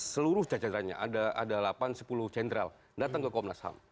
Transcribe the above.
seluruh jajarannya ada delapan sepuluh jenderal datang ke komnas ham